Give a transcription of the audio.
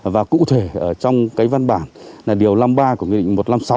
và cụ thể ở trong cái văn bản là điều năm mươi ba của nghị định một trăm năm mươi sáu